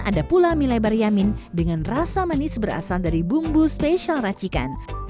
ada pula mie lebar yamin dengan rasa manis berasal dari bumbu spesial racikan